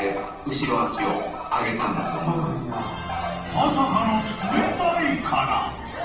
［まさかの冷たいから］